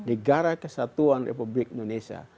negara kesatuan republik indonesia